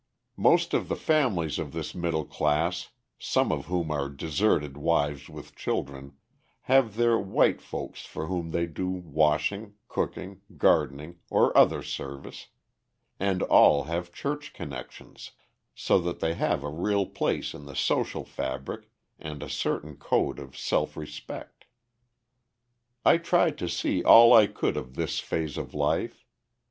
Most of the families of this middle class, some of whom are deserted wives with children, have their "white folks" for whom they do washing, cooking, gardening, or other service, and all have church connections, so that they have a real place in the social fabric and a certain code of self respect. I tried to see all I could of this phase of life.